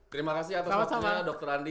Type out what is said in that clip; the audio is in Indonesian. terima kasih atas waktunya dr andi